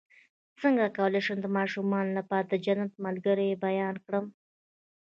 څنګه کولی شم د ماشومانو لپاره د جنت ملګري بیان کړم